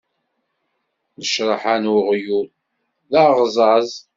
Nnecṛaḥa n uɣyul, d aɣẓaẓ.